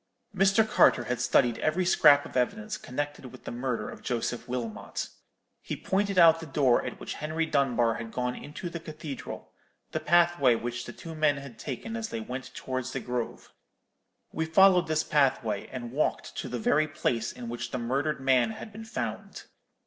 "Mr. Carter had studied every scrap of evidence connected with the murder of Joseph Wilmot. He pointed out the door at which Henry Dunbar had gone into the cathedral, the pathway which the two men had taken as they went towards the grove. We followed this pathway, and walked to the very place in which the murdered man had been found.